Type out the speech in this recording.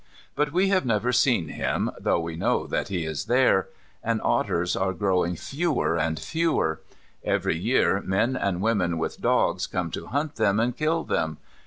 But we have never seen him, though we know that he is there. And otters are growing fewer and fewer. Every year men and women with dogs come to hunt them and kill them.